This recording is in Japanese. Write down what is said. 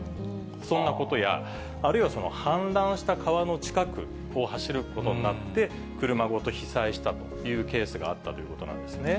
そんなことや、あるいはその氾濫した川の近くを走ることになって、車ごと被災したというケースがあったということなんですね。